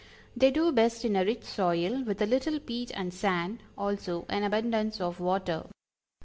They do best in a rich soil, with a little peat and sand; also an abundance of water.